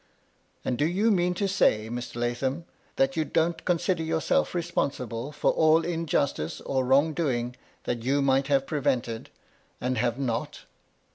" And do you mean to say, Mr. Lathom, that you don't consider yourself responsible for all injustice or wrong doing that you might have prevented, and have not